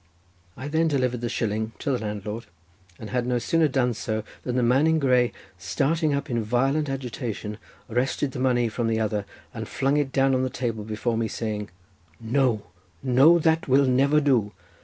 I then delivered the shilling to the landlord, but had no sooner done so than the man in grey, starting up in violent agitation, wrested the money from the other, and flung it down on the table before me saying:— "No, no, that will never do.